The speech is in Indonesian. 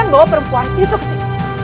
kalian bawa perempuan itu kesini